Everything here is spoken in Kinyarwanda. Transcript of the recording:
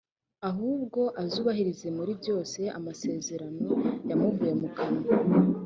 ahubwo azubahirize muri byose amasezerano yamuvuye mu kanwa.